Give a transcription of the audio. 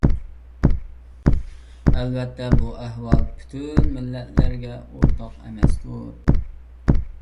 ئەلۋەتتە، بۇ ئەھۋال پۈتۈن مىللەتلەرگە ئورتاق ئەمەستۇر.